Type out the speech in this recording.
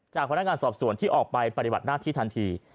พนักงานสอบส่วนที่ออกไปปฏิบัติหน้าที่ทันที